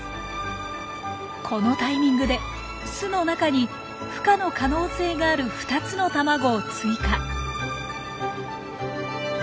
このタイミングで巣の中に孵化の可能性がある２つの卵を追加。